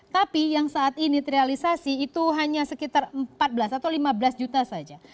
tapi yang saat ini terrealisasi itu hanya sekitar empat belas atau lima belas juta saja